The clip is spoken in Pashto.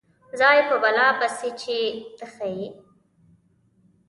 ځای په بلا پسې چې ته ښه یې.